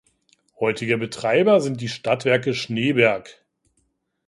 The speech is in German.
Heutiger Betreiber sind die Stadtwerke Schneeberg.